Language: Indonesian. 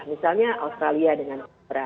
misalnya australia dengan